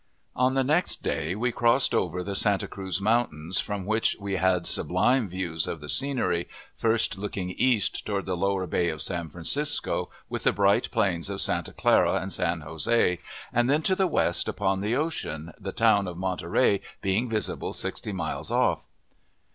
On the next day we crossed over the Santa Cruz Mountains, from which we had sublime views of the scenery, first looking east toward the lower Bay of San Francisco, with the bright plains of Santa Clara and San Jose, and then to the west upon the ocean, the town of Monterey being visible sixty miles off.